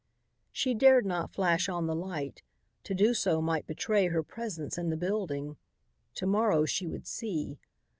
She dared not flash on the light. To do so might betray her presence in the building. To morrow she would see.